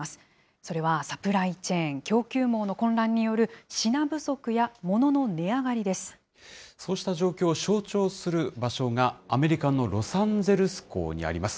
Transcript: それはサプライチェーン・供給網の混乱による、品不足や、もののそうした状況を象徴する場所が、アメリカのロサンゼルス港にあります。